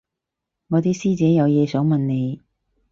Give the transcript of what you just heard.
我啲師姐有嘢想問你